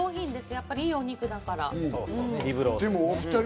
やっぱりいいお肉だから。